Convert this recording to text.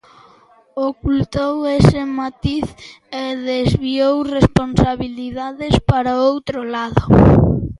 Ocultou ese matiz e desviou responsabilidades para outro lado.